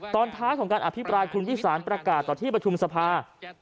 ตอนท้ายของการอภิปรายคุณวิสานประกาศต่อที่ประชุมสภา